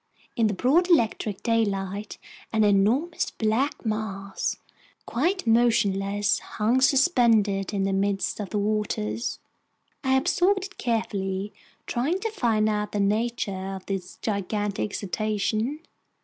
In the broad electric daylight, an enormous black mass, quite motionless, hung suspended in the midst of the waters. I observed it carefully, trying to find out the nature of this gigantic cetacean.